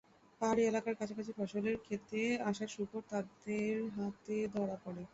পাহাড়ি এলাকার কাছাকাছি ফসলের খেতে আসা শূকর তাঁদের হাতে ধরা পড়ে।